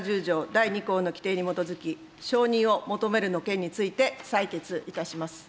第２項の規定に基づき、承認を求めるの件について採決いたします。